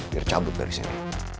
biar cabut dari sini